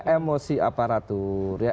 emosi aparatur ya